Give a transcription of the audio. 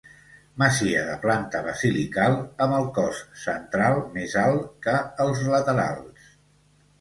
Masia de planta basilical, amb el cos central més alt que els laterals.